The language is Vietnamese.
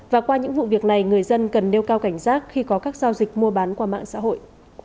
và qua những vụ việc này người dân cần nêu cao cảnh giác khi có các giao dịch mua bán qua mạng xã hội